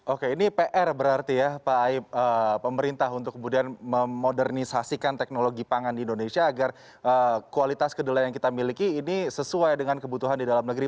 oke ini pr berarti ya pak aib pemerintah untuk kemudian memodernisasikan teknologi pangan di indonesia agar kualitas kedelai yang kita miliki ini sesuai dengan kebutuhan di dalam negeri